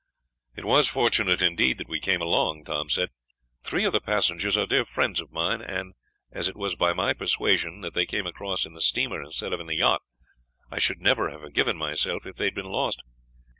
"It was fortunate indeed that we came along," Tom said; "three of the passengers are dear friends of mine; and as it was by my persuasion that they came across in the steamer instead of in the yacht, I should never have forgiven myself if they had been lost.